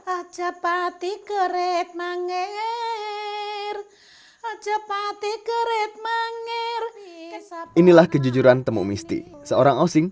ajab hati keret manger ajab hati keret manger inilah kejujuran temuk misti seorang osing